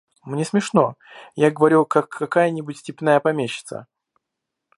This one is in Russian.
Мне смешно, я говорю, как какая-нибудь степная помещица.